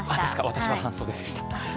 私は半袖でした。